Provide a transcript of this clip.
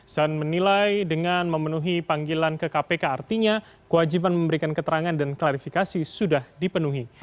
zahn menilai dengan memenuhi panggilan ke kpk artinya kewajiban memberikan keterangan dan klarifikasi sudah dipenuhi